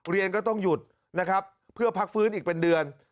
เรียนก็ต้องหยุดนะครับเพื่อพักฟื้นอีกเป็นเดือน